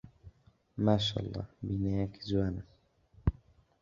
ماشەڵڵا بینایەکی جوانە.